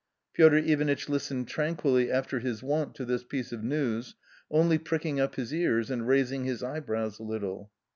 * Piotr Ivanitch listened tranquilly after / his wont to this piece of news, only pricking up his ears, and raising his eyebrows a little.